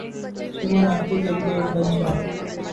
صبح ناشتے کے لئے بچ جائیں